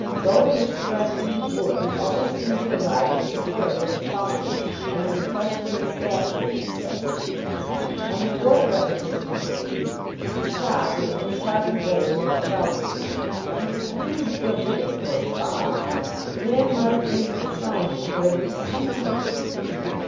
Go in which direction he would, he always seemed to arrive at a square with a fountain and an equestrian statue in its centre. On the fourth repetition of this feat he stopped in a disheartened way, and looked about him. He was beginning to feel bitter towards Bob. The man might at least have shown him where to get some tea.